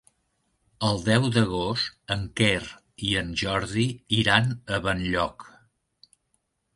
El deu d'agost en Quer i en Jordi iran a Benlloc.